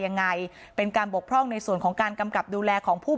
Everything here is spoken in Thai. ยังไงเป็นการบกพร่องในส่วนของการกำกับดูแลของผู้